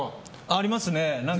ありますね。